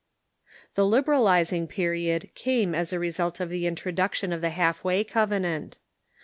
The Liberalizing Period came as a result of the introduction of the Half way Covenant.